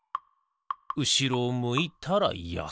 うしろをむいたらやすむ。